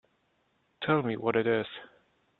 Tell me what it is.